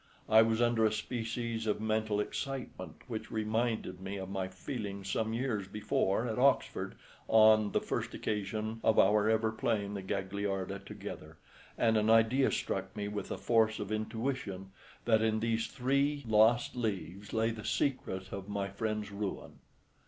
I was under a species of mental excitement which reminded me of my feelings some years before at Oxford on the first occasion of our ever playing the Gagliarda together, and an idea struck me with the force of intuition that in these three lost leaves lay the secret of my friend's ruin.